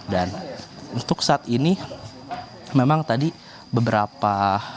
dan untuk saat ini memang tadi beberapa